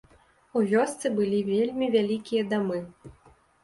У вёсцы былі вельмі вялікія дамы.